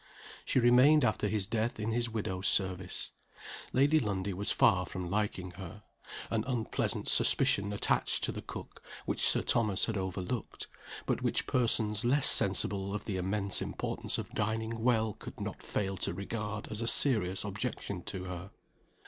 She remained after his death in his widow's service. Lady Lundie was far from liking her. An unpleasant suspicion attached to the cook, which Sir Thomas had over looked, but which persons less sensible of the immense importance of dining well could not fail to regard as a serious objection to her.